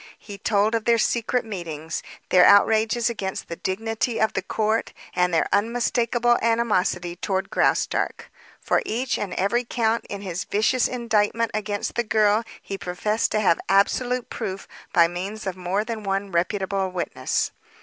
He told of their secret meetings, their outrages against the dignity of the court, and their unmistakable animosity toward Graustark. For each and every count in his vicious indictment against the girl he professed to have absolute proof by means of more than one reputable witness.